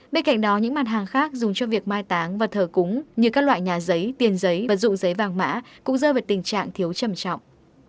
bên cạnh đó những mặt hàng khác dùng cho việc mai táng và thờ cúng như các loại nhà giấy tiền giấy và dụ giấy vàng mã cũng rơi vào tình trạng thiếu trầm trọng